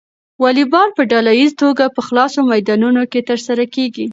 واليبال په ډله ییزه توګه په خلاصو میدانونو کې ترسره کیږي.